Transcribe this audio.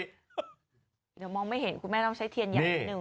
เดี๋ยวมองไม่เห็นคุณแม่ต้องใช้เทียนใหญ่นิดนึ